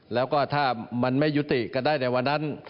แล้วก็ถ้ามันไม่ยุติก็ได้ในวันนั้น